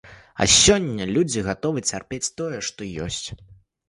А сёння людзі гатовы цярпець тое, што ёсць.